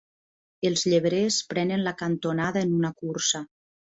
Els llebrers prenen la cantonada en una cursa.